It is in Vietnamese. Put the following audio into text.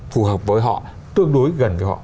phù hợp với họ tương đối gần với họ